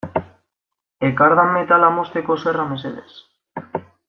Ekardan metala mozteko zerra mesedez.